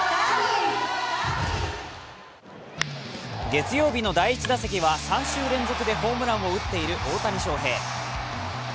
月曜日の第１打席は３週連続でホームランを打っている大谷翔平。